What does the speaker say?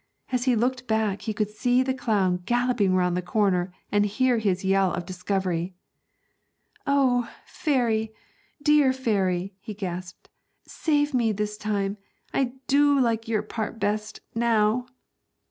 As he looked back, he could see the clown galloping round the corner and hear his yell of discovery. 'Oh, fairy, dear fairy,' he gasped, 'save me this time. I do like your part best, now!'